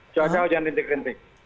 cuaca hujan rintik rintik